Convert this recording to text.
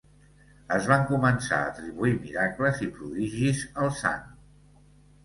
Es van començar a atribuir miracles i prodigis al sant.